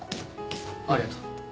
ありがとう。